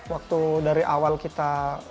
waktu dari awal kita